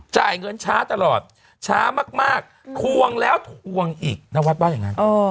จ่ายเงินช้าตลอดช้ามากทวงแล้วทวงอีกนวัดว่าอย่างนั้น